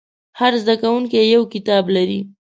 هر زده کوونکی یو کتاب لري.